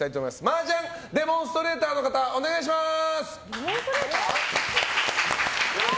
麻雀デモンストレーターの方お願いします。